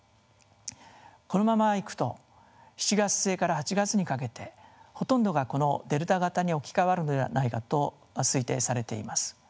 このままいくと７月末から８月にかけてほとんどがこのデルタ型に置き換わるのではないかと推定されています。